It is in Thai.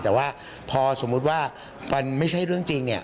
แต่ว่าพอสมมุติว่ามันไม่ใช่เรื่องจริงเนี่ย